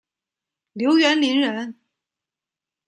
刘元霖人。